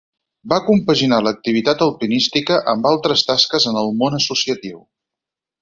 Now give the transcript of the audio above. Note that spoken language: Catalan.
Va compaginar l'activitat alpinística amb altres tasques en el món associatiu.